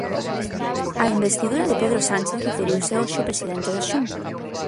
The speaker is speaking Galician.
Á investidura de Pedro Sánchez referiuse hoxe o presidente da Xunta.